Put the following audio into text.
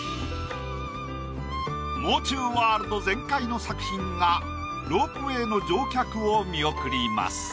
もう中ワールド全開の作品がロープウェイの乗客を見送ります。